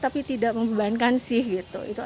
tapi tidak membebankan sih gitu